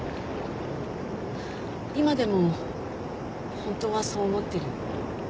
今でもホントはそう思ってる。